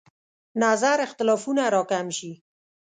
نظر اختلافونه راکم شي.